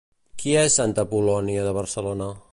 Qui és Santa Apol·lònia de Barcelona?